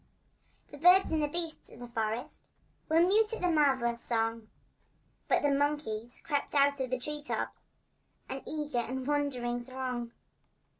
The birds and the beasts of the forest Were mute at the marvellous song, But the monkeys crept out of the tree tops— An eager and wondering throng.